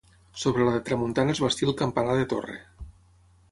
Sobre la de tramuntana es bastí el campanar de torre.